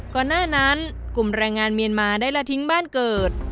ก่อนหน้านั้นกลุ่มแรงงานเมียนมาได้ละทิ้งบ้านเกิด